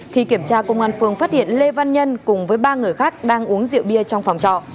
khi kiểm tra công an phường phát hiện lê văn nhân cùng với ba người khác đang uống rượu bia trong phòng trọ